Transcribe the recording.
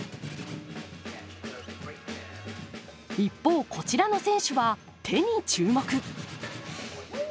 一方こちらの選手は手に注目。